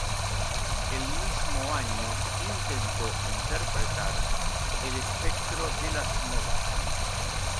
El mismo año intentó interpretar el espectro de las novas.